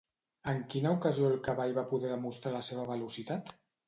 En quina ocasió el cavall va poder demostrar la seva velocitat?